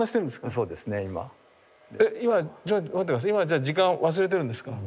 じゃあ今時間を忘れてるんですか？